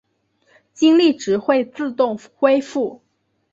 精力值会自动恢复。